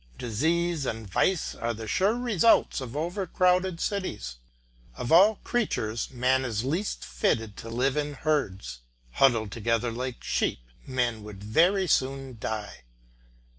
Disease and vice are the sure results of over crowded cities. Of all creatures man is least fitted to live in herds. Huddled together like sheep, men would very soon die.